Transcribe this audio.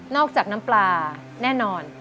จากน้ำปลาแน่นอน